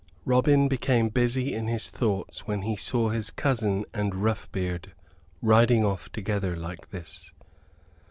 Robin became busy in his thoughts when he saw his cousin and Roughbeard riding off together like this.